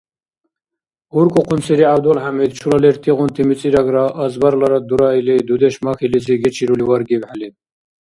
Уркӏухъунсири Гӏябдулхӏямид, чула лертигъунти мицӏирагра азбарларад дураили, дудеш махьилизи гечирули варгибхӏели.